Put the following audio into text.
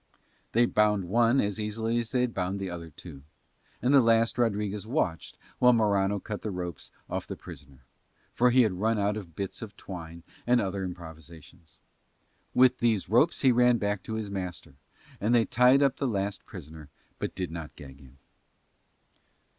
They bound one as easily as they had bound the other two; and the last Rodriguez watched while Morano cut the ropes off the prisoner, for he had run out of bits of twine and all other improvisations. With these ropes he ran back to his master, and they tied up the last prisoner but did not gag him.